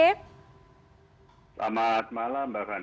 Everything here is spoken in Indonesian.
selamat malam mbak fani